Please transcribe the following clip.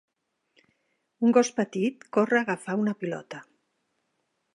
Un gos petit corre a agafar una pilota.